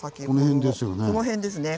この辺ですよね。